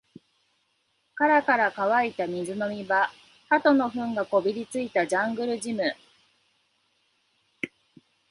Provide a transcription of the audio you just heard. カラカラに乾いた水飲み場、鳩の糞がこびりついたジャングルジム